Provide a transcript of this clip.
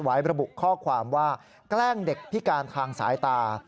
ระบุข้อความว่าแกล้งเด็กพิการทางสายตา